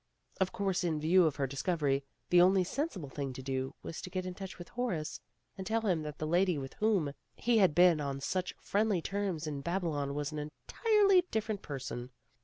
Of course, in view of her discovery, the only sensible thing to do was to get in touch with Horace, and tell him that the lady with whom he had been on such friendly terms in Babylon was an entirely different person.